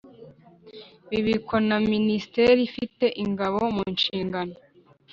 bibikwa na Minisiteri ifite Ingabo mu nshingano